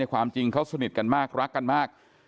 ความจริงเขาสนิทกันมากรักกันมาก